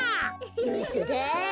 うそだぁ。